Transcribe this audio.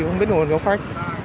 không biết nguồn gốc khách